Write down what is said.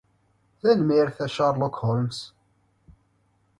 Tanemmirt a Sherlock Holmes.